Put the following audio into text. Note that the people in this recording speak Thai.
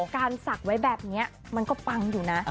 สักไว้แบบนี้มันก็ปังอยู่นะ